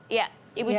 iya ibu cici